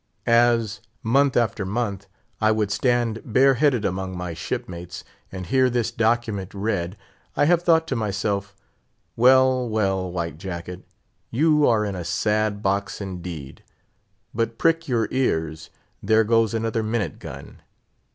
As, month after month, I would stand bareheaded among my shipmates, and hear this document read, I have thought to myself, Well, well, White Jacket, you are in a sad box, indeed. But prick your ears, there goes another minute gun.